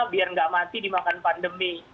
biar nggak mati dimakan pandemi